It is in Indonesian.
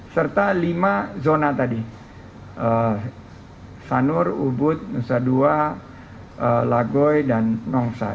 serta lima zona tadi sanur ubud nusa dua lagoy dan nongsa